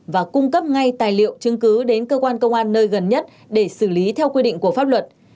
và cung cấp ngay tài liệu chứng cứ đến cơ quan công an nơi gần nhất để xử lý theo quy định của pháp luật